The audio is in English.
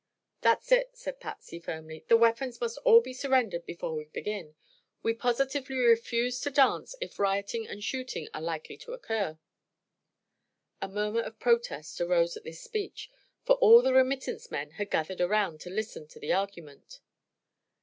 "That's it," said Patsy, firmly. "The weapons must all be surrendered before we begin. We positively refuse to dance if rioting and shooting are likely to occur." A murmur of protest arose at this speech, for all the remittance men had gathered around to listen to the argument.